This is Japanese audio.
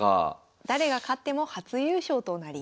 誰が勝っても初優勝となります。